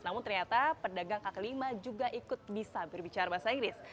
namun ternyata pedagang kaki lima juga ikut bisa berbicara bahasa inggris